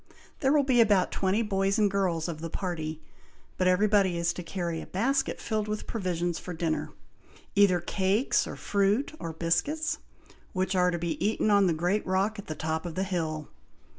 There will be about twenty boys and girls of the party, but every body is to carry a basket filled with provisions for dinner, either cakes, or fruit, or biscuits, which are to be eat on the great rock at the top of the hill.